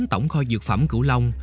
tổng kho dược phẩm cửu long